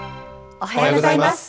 おはようございます。